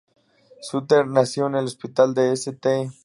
Sutherland nació en el Hospital de St.